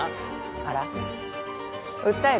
あら訴える？